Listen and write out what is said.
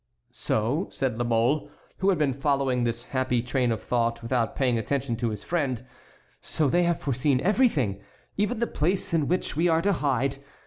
"So," said La Mole, who had been following his happy train of thought without paying attention to his friend, "so they have foreseen everything, even the place in which we are to hide.